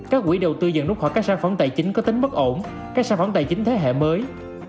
các quỹ đầu tư dần rút khỏi các sản phẩm tài chính có tính bất ổn các sản phẩm tài chính thế hệ mới